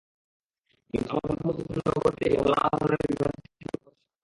কিন্তু আমার ভাবমূর্তি ক্ষুণ্ন করতে একটি মহল নানা ধরনের বিভ্রান্তিমূলক কথা ছড়াচ্ছে।